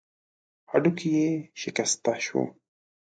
هډوکی يې شکسته شو.